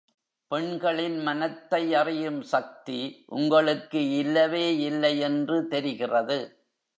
பெண்களின் மனத்தை அறியும் சக்தி உங்களுக்கு இல்லவே இல்லையென்று தெரிகிறது.